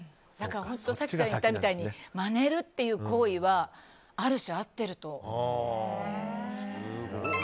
早紀ちゃんが言ったみたいにまねるっていう行為はある種、合ってると。